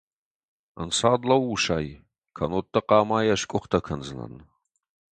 Ӕнцад лӕуу, усай, кӕннод дӕ хъамайӕ скъуыхтӕ кӕндзынӕн!..